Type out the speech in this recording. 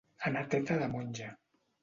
Anar a teta de monja.